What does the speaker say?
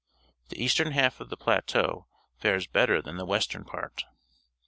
The eastern half of the plateau fares better than the western part.